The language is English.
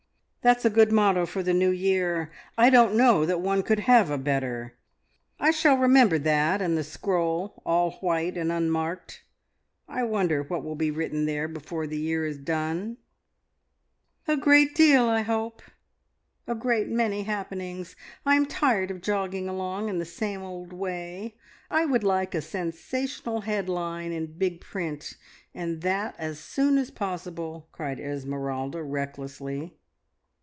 "That's a good motto for the New Year. I don't know that one could have a better. I shall remember that, and the scroll all white and unmarked. I wonder what will be written there before the year is done?" "A great deal, I hope a great many happenings. I am tired of jogging along in the same old way. I would like a sensational headline in big print, and that as soon as possible!" cried Esmeralda recklessly.